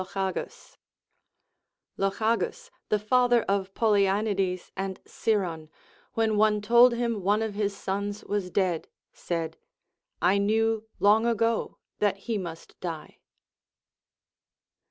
■ Of Lochagus. Lochagns the fiither of Polyaenides and Siron, when one told him one of his sons was dead, said, I knew lon^ ago that he must die.